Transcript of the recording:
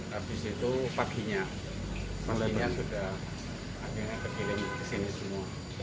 habis itu paginya paginya sudah akhirnya kecilin kesini semua